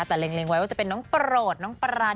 แต่เล็งไว้ว่าจะเป็นน้องโปรดน้องปราน